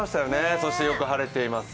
そして、よく晴れています。